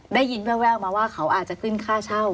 แววมาว่าเขาอาจจะขึ้นค่าเช่า